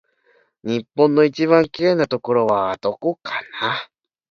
日本の一番きれいなところはどこかな